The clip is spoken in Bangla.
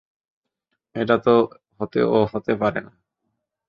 এটা তো ও হতে পারে না।